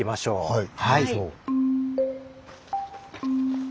はい。